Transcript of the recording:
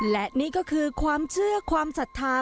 และนี่ก็คือความเชื่อความศรัทธา